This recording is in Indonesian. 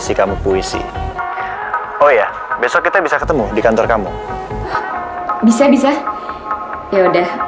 sampai jumpa di video selanjutnya